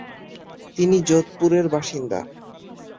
তিনি যোধপুরের বাসিন্দা।